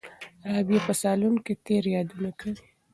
رابعه په صالون کې تېر یادونه کوي.